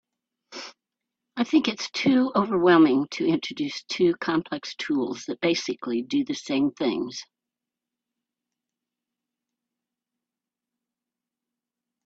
I think it’s too overwhelming to introduce two complex tools that basically do the same things.